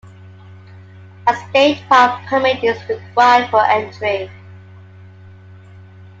A state park permit is required for entry.